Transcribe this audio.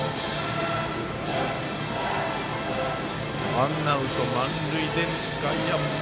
ワンアウト、満塁で外野は前。